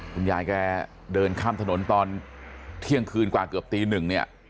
คุณยายแกเดินข้ามถนนตอนเที่ยงคืนกว่าเกือบตีหนึ่งเนี่ย